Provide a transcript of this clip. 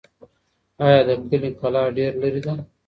آیا د کلي کلا ډېر لرې ده؟